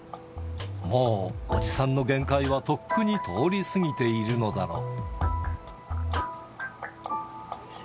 もうおじさんの限界はとっくに通り過ぎているのだろう。